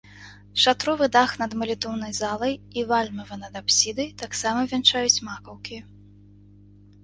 Шатровы дах над малітоўнай залай і вальмавы над апсідай таксама вянчаюць макаўкі.